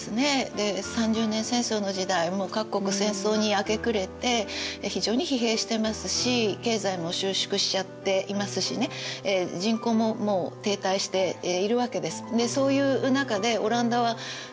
で三十年戦争の時代もう各国戦争に明け暮れて非常に疲弊してますし経済も収縮しちゃっていますしね人口ももう停滞しているわけです。